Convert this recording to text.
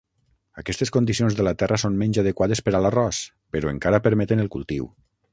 Aquestes condicions de la terra són menys adequades per a l'arròs, però encara permeten el cultiu.